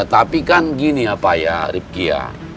tapi kan gini ya pak ya